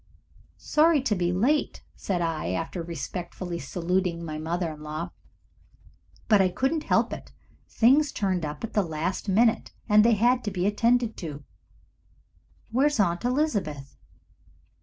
"Sorry to be late," said I, after respectfully saluting my mother in law, "but I couldn't help it. Things turned up at the last minute and they had to be attended to. Where's Aunt Elizabeth?"